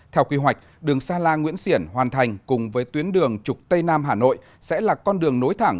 theo kỳ hoạch đường sa la nguyễn xiển hoàn thành cùng với tuyến đường trục tây nam hà nội sẽ là con đường nối thẳng